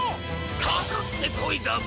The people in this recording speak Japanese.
かかってこいだビ！